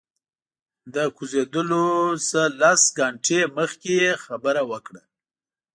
د کوزیدلو نه لس ګنټې مخکې یې خبره وکړه.